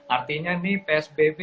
artinya nih psbb